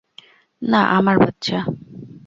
না, আমার বাচ্চা।